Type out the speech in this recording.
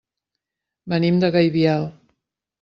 Venim de Gaibiel.